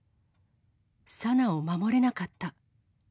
紗菜を守れなかった。